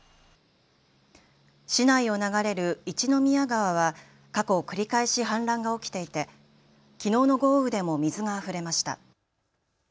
市内を流れる一宮川は過去繰り返し氾濫が起きていてきのうの豪雨でも水があふれました。